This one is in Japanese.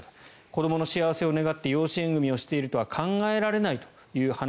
子どもの幸せを願って養子縁組をしているとは考えられないと。